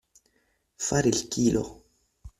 Fare il chilo.